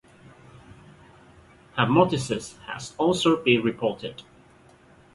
Haemoptysis has also been reported.